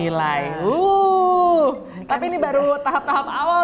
apresiasi itu otom medicine keren namun setelah empat belas tahun yang lalu